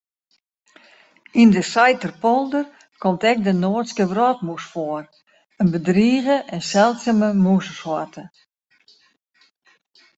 Yn de Saiterpolder komt ek de Noardske wrotmûs foar, in bedrige en seldsume mûzesoarte.